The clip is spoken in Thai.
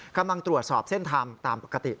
กำลังตรวจสอบเส้นทางตามปกติ